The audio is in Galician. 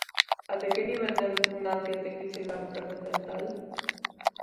Até que nivel de repugnancia ten que chegar para facer tal?